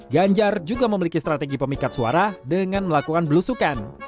ganjar juga memiliki strategi pemikat suara dengan melakukan belusukan